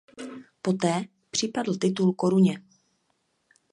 Poté připadl titul koruně.